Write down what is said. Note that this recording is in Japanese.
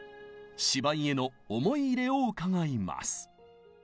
芝居への思い入れを伺います。